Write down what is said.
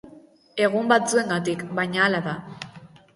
Egun batzuengatik, baina hala da.